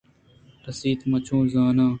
راست من چو زاناں